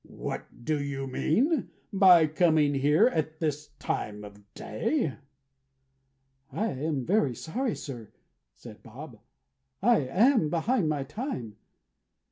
"What do you mean by coming here at this time of day?" "I am very sorry, sir," said Bob. "I am behind my time."